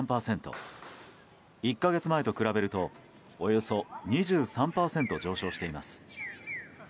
１か月前と比べるとおよそ２３％上昇しています。